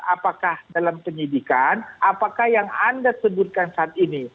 apakah dalam penyidikan apakah yang anda sebutkan saat ini